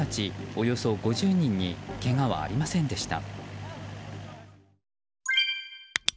およそ５０人にけがはありませんでした。